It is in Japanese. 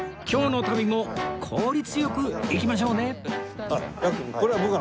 今日の旅も効率良くいきましょうね